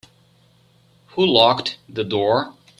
Who locked the door?